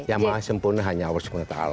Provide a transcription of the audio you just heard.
yang maha sempurna hanya allah swt